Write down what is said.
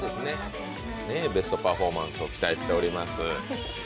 ベストパフォーマンスを期待しております。